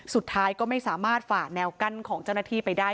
สุดท้ายก็ไม่สามารถฝ่าแนวกั้นของเจ้าหน้าที่ไปได้